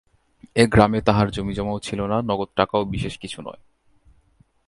এ গ্রামে তাঁহার জমিজমাও ছিল না, নগদ টাকাও বিশেষ কিছু নয়।